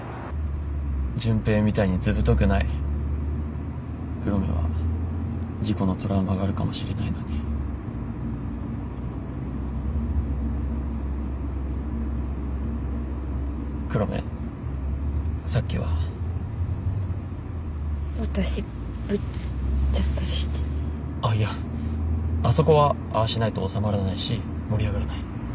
純平みたいに図太くない黒目は事故のトラウマがあるかもしれないのに黒目さっきは私ぶっちゃったりしてあっいやあそこはああしないと収まらないし盛り上がらない